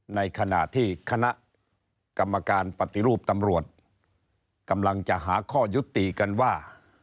ในขณะที่คณะกรรมการปฏิรูปตำรวจกำลังจะหาข้อยุติกันว่า